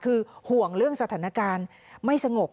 คือห่วงเรื่องสถานการณ์ไม่สงบ